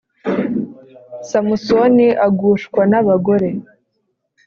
Samusoni agushwa n abagore